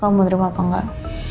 aku mau menerima apa nggak